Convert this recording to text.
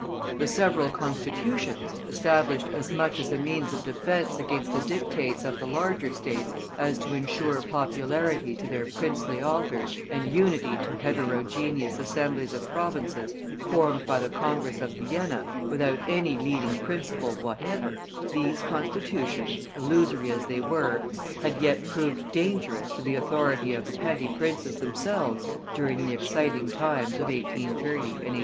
The several Constitutions, established as much as a means of defence against the dictates of the larger States, as to insure popularity to their princely authors, and unity to heterogeneous Assemblies of Provinces, formed by the Congress of Vienna, without any leading principle whatever these Constitutions, illusory as they were, had yet proved dangerous to the authority of the petty princes themselves during the exciting times of 1830 and 1831.